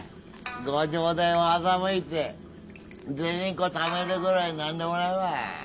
ご城代を欺いて銭っこためるぐらい何でもないわ。